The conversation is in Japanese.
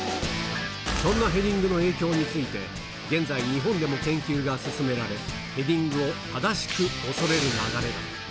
そんなヘディングの影響について、現在、日本でも研究が進められ、ヘディングを正しく恐れる流れが。